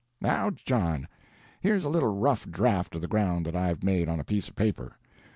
"Now, John, here's a little rough draft of the ground that I've made on a piece of paper.